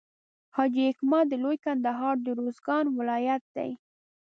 حاجي حکمت د لوی کندهار د روزګان ولایت دی.